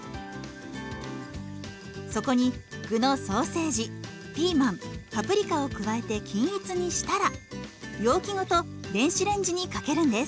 そこに具のソーセージピーマンパプリカを加えて均一にしたら容器ごと電子レンジにかけるんです。